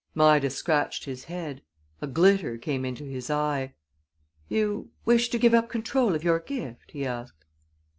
Midas scratched his head. A glitter came into his eye. "You wish to give up control of your gift?" he asked.